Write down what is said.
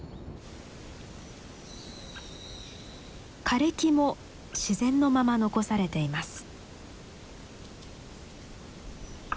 枯れ木も自然のまま残されています。